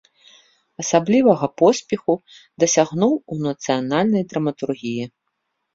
Асаблівага поспеху дасягнуў у нацыянальнай драматургіі.